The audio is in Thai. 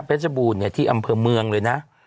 เพชรบูรณ์เนี่ยที่อำเภอเมืองเลยนะ